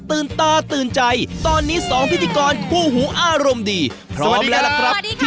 เรามีความติดตามดับทราบที่